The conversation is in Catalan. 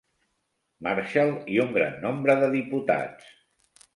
Marshal i un gran nombre de diputats.